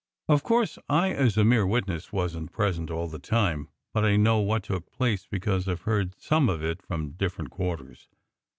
"Of course, I as a mere witness wasn t present all the time; but I know what took place, because I ve heard some of it from different quarters.